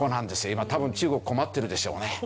今多分中国困ってるでしょうね。